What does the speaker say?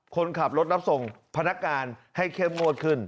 คนขับรถรับส่งพนักงานให้เข้มงวดขึ้น